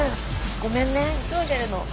ごめんね急いでるの。